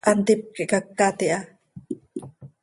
Hantíp quih cacat iha.